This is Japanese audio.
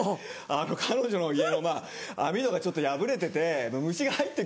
彼女の家の網戸がちょっと破れてて虫が入ってくると。